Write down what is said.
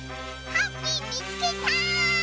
ハッピーみつけた！